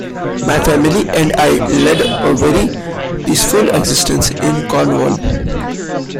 My family and I lead a very peaceful existence in Cornwall.